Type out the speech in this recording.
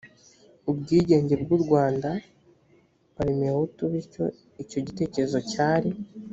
ubwigenge bw u rwanda parmehutu bityo icyo gitekerezo cyari